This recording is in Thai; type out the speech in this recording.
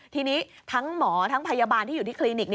ทีนี้ทั้งหมอทั้งพยาบาลที่อยู่ที่คลินิก